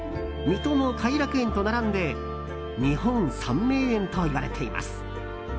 水戸の偕楽園と並んで日本三名園といわれています。